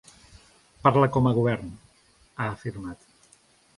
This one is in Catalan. “Parla com a govern”, ha afirmat.